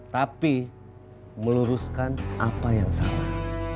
tapi meluruskan apa yang salah